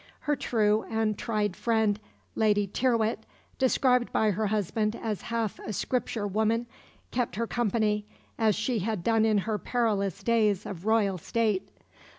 Her true and tried friend, Lady Tyrwhitt, described by her husband as half a Scripture woman, kept her company, as she had done in her perilous days of royal state.